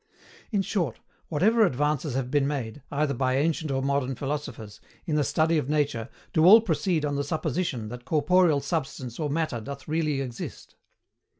In short, whatever advances have been made, either by ancient or modern philosophers, in the study of nature do all proceed on the supposition that corporeal substance or Matter doth really exist.